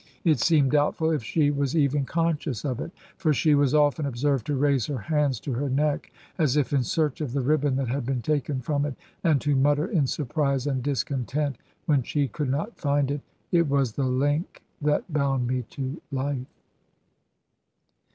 It seemed doubtful if she was even conscious of it, for she was often observed to raise her hands to her neck, as if in search of the ribbon that had been taken from it, and to mutter in surprise and discontent, when she could not find it, ' It was the link that bound me to life.'